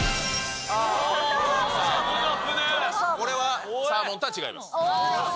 これはサーモンとは違います。